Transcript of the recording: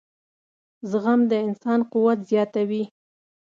• زغم د انسان قوت زیاتوي.